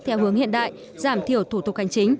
theo hướng hiện đại giảm thiểu thủ tục hành chính